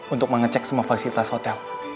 untuk mengecek semua fasilitas hotel